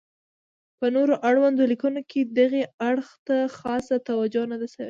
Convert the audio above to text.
په نور اړوندو لیکنو کې دغې اړخ ته خاصه توجه نه ده شوې.